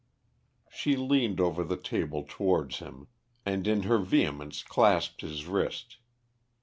She leaned over the table towards him, and in her vehemence clasped his wrist.